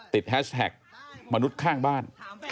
ติดแฮชแทคมนุษย์ข้างบ้าน